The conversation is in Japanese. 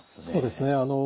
そうですね。